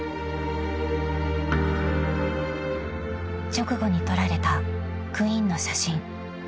［直後に撮られたクインの写真］